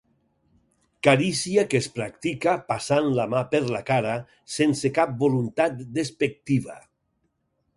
Carícia que es practica passant la mà per la cara sense cap voluntat despectiva.